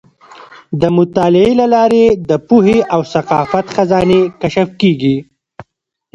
د مطالعې له لارې د پوهې او ثقافت خزانې کشف کیږي.